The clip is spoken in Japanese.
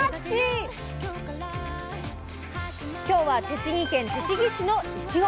今日は栃木県栃木市のいちご！